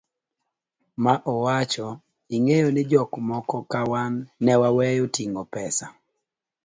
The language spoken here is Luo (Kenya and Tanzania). ma owacho, ing'eyo ni jok moko ka wan ne waweyo ting'o pesa